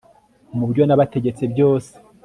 mu byo nabategetse byose